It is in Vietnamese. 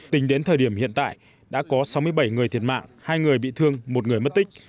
tính đến thời điểm hiện tại đã có sáu mươi bảy người thiệt mạng hai người bị thương một người mất tích